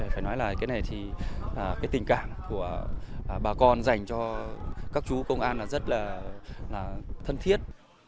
phải nói là cái này thì tình cảm của bà con dành cho các chú công an là rất là thân thiết